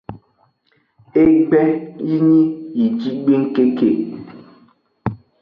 Egbe yi nyi yi jigbengkeke.